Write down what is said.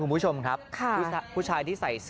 มันไม่ขอโทษอะ